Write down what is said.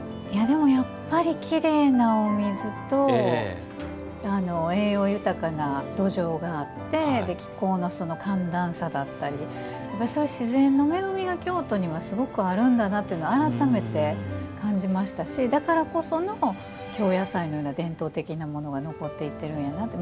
やっぱりきれいなお水と栄養豊かな土壌があって気候の寒暖差だったりそういう自然の恵みが京都にはすごくあるんだなと改めて感じましたしだからこその、京野菜のような伝統的なものが残っていっているんやなと。